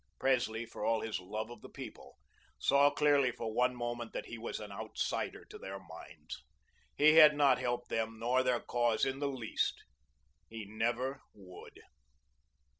Presley, for all his love of the people, saw clearly for one moment that he was an outsider to their minds. He had not helped them nor their cause in the least; he never would.